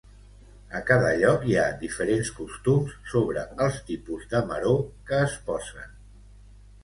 A cada lloc hi ha diferents costums sobre els tipus de "maror" que es posen.